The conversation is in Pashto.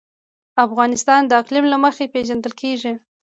افغانستان د اقلیم له مخې پېژندل کېږي.